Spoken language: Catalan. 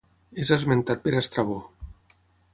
És esmentat per Estrabó.